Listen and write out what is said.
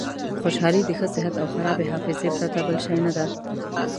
خوشحالي د ښه صحت او خرابې حافظې پرته بل شی نه ده.